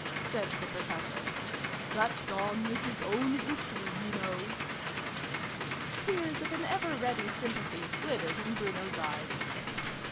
" said the Professor. " That song is his own history, you know." Tears of an ever ready sympathy glittered in Bruno's eyes.